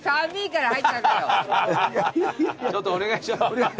ちょっとお願いします。